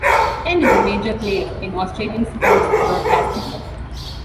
Ten is a major player in Australian sports broadcasting.